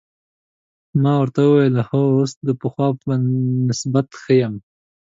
ما ورته وویل: هو، اوس د پخوا په نسبت ښه یم.